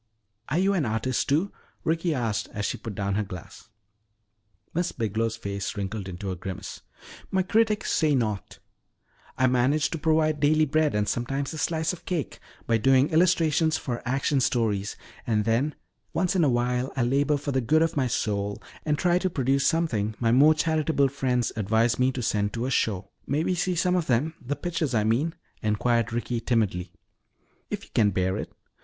"Are you an artist, too?" Ricky asked as she put down her glass. Miss Biglow's face wrinkled into a grimace. "My critics say not. I manage to provide daily bread and sometimes a slice of cake by doing illustrations for action stories. And then once in a while I labor for the good of my soul and try to produce something my more charitable friends advise me to send to a show." "May may we see some of them the pictures, I mean?" inquired Ricky timidly. "If you can bear it.